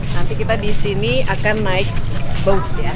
nanti kita di sini akan naik boat ya